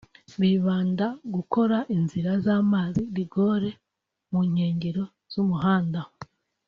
bibanda kugukora inzira z’amazi (rigoles) mu nkengero z’umuhanda